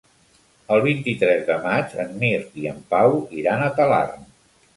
El vint-i-tres de maig en Mirt i en Pau iran a Talarn.